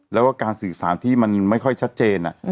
แล้วก็การสื่อสารที่มันไม่ค่อยชัดเจน